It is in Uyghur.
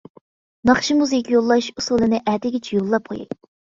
ناخشا-مۇزىكا يوللاش ئۇسۇلىنى ئەتىگىچە يوللاپ قوياي.